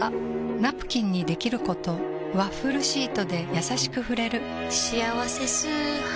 ナプキンにできることワッフルシートでやさしく触れる「しあわせ素肌」